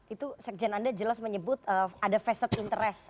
itu sekjen anda jelas menyebut ada vested interest